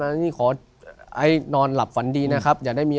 มาละนี่ขอไอนอนหลับฝันดีนะครับ